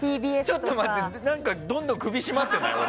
ちょっと待ってどんどん首絞まってない？